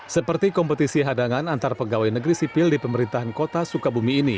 seperti kompetisi hadangan antar pegawai negeri sipil di pemerintahan kota sukabumi ini